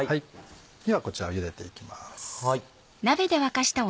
ではこちらをゆでていきます。